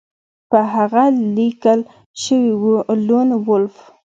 په هغه لیکل شوي وو لون وولف